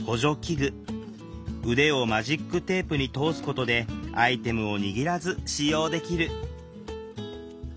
腕をマジックテープに通すことでアイテムを握らず使用できる。